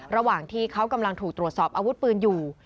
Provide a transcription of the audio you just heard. ระหว่างที่เขากำลังถูกตรวจสอบอาวุธปืนอยู่